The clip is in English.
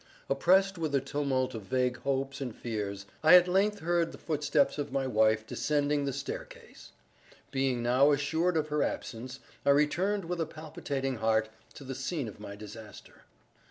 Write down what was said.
Oppressed with a tumult of vague hopes and fears, I at length heard the footsteps of my wife descending the staircase. Being now assured of her absence, I returned with a palpitating heart to the scene of my disaster.